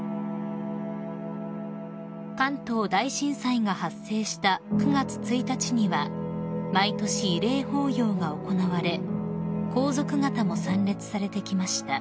［関東大震災が発生した９月１日には毎年慰霊法要が行われ皇族方も参列されてきました］